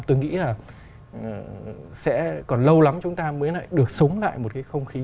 tôi nghĩ là sẽ còn lâu lắm chúng ta mới lại được sống lại một cái không khí